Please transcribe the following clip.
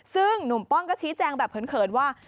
ซึ่งหนุ่มป้องก็ชี้แจงแบบเขินว่า